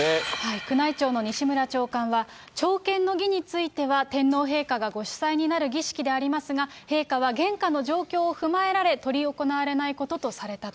宮内庁の西村長官は、朝見の儀については天皇陛下がご主催になる儀式でありますが、陛下は現下の状況を踏まえられ、執り行われないこととされたと。